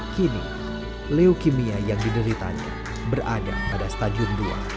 kini leukemia yang dideritanya berada pada stadium dua